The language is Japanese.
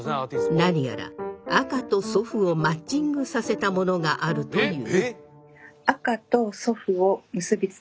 何やら赤と祖父をマッチングさせたものがあるという。